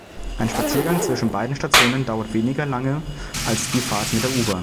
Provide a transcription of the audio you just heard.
Ein Spaziergang zwischen beiden Stationen dauert weniger lange als die Fahrt mit der U-Bahn.